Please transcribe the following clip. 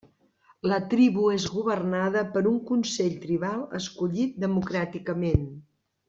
La tribu és governada per un consell tribal escollit democràticament.